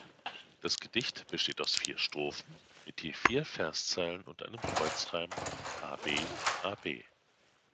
Das Gedicht besteht aus vier Strophen mit je vier Verszeilen und einem Kreuzreim a-b-a-b.